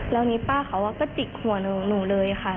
แล้วนี้ป้าเขาก็จิกหัวหนูเลยค่ะ